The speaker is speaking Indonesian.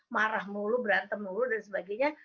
marah mulu berantem mulu dan sebagainya